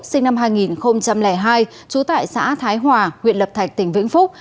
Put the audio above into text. trên năm hai nghìn hai chú tại xã thái hòa huyện lập thạch tỉnh vĩnh phúc